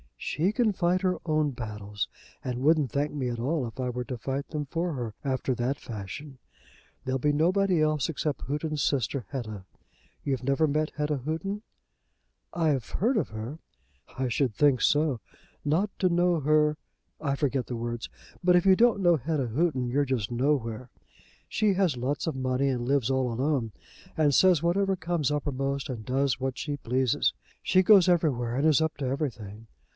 "She can fight her own battles, and wouldn't thank me at all if I were to fight them for her after that fashion. There'll be nobody else except Houghton's sister, Hetta. You never met Hetta Houghton?" "I've heard of her." "I should think so. 'Not to know her,' I forget the words; but if you don't know Hetta Houghton, you're just nowhere. She has lots of money, and lives all alone, and says whatever comes uppermost, and does what she pleases. She goes everywhere, and is up to everything.